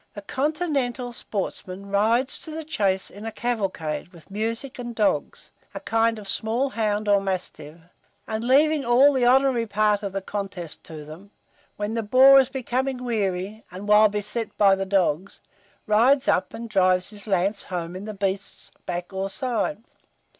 The continental sportsman rides to the chase in a cavalcade, with music and dogs, a kind of small hound or mastiff, and leaving all the honorary part of the contest to them, when the boar is becoming weary, and while beset by the dogs, rides up, and drives his lance home in the beast's back or side.